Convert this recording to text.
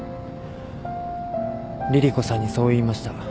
凛々子さんにそう言いました。